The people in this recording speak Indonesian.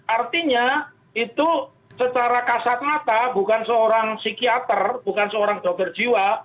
artinya itu secara kasat mata bukan seorang psikiater bukan seorang dokter jiwa